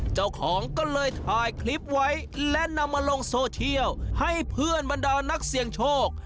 เจ้าของก็เลยถ่ายคลิปไว้และนำมาลงโซเชียลให้เพื่อนบรรดานักเสี่ยงโชค